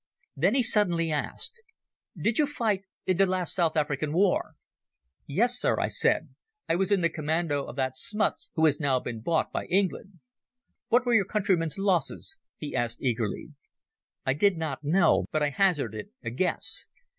Then he suddenly asked: "Did you fight in the last South African War?" "Yes, Sir," I said. "I was in the commando of that Smuts who has now been bought by England." "What were your countrymen's losses?" he asked eagerly. I did not know, but I hazarded a guess.